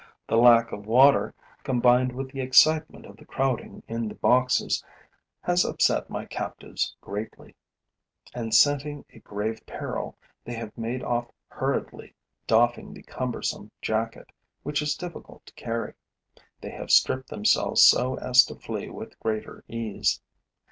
The lack of water, combined with the excitement of the crowding in the boxes, has upset my captives greatly; and, scenting a grave peril, they have made off hurriedly, doffing the cumbersome jacket, which is difficult to carry. They have stripped themselves so as to flee with greater ease.